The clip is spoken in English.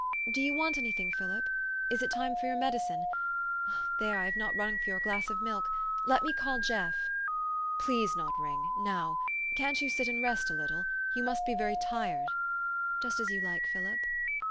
Do you want any thing, Philip ? Is it time for your medicine ? There ! I have not rung for your glass of milk . Let me call Jeff." " Please not ring now. Can't you sit and rest a little ? You must be very tired." " Just as you like, Philip."